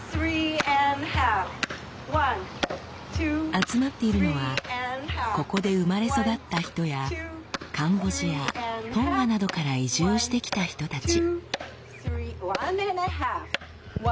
集まっているのはここで生まれ育った人やカンボジアトンガなどから移住してきた人たち。